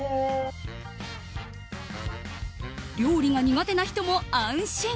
料理が苦手な人も安心。